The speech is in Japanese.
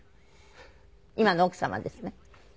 今の奥様ですね。